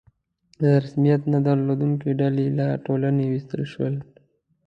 رسمیت نه درلودونکي ډلې له ټولنې ویستل شول.